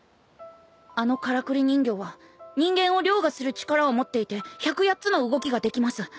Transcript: あのからくり人形は人間を凌駕する力を持っていて百八つの動きができます。